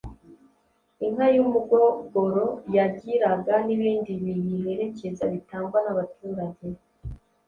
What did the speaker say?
Inka y'umugogoro yagiraga n'ibindi biyiherekeza bitangwa n'abaturage